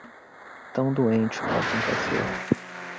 Tão doente quanto um cachorro.